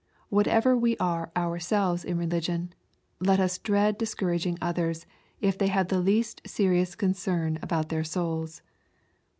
Whatever we are ourselves in religion, let us dread dis couraging others, if they have the least serious concern about their souls.